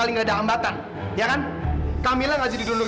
tadi map kamu jatuh